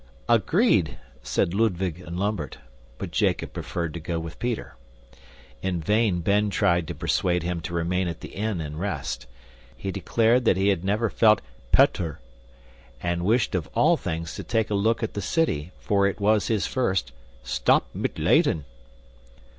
"Agreed," said Ludwig and Lambert, but Jacob preferred to go with Peter. In vain Ben tried to persuade him to remain at the inn and rest. He declared that he never felt "petter," and wished of all things to take a look at the city, for it was his first "stop mit Leyden."